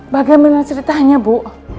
bagaimana ceritanya bu